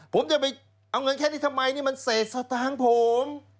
ผมจะไปเอาเงินแค่นี้ทำไมนี่มันเศษสตางค์ผม